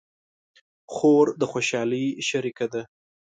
خور د خوشحالۍ شریکه ده.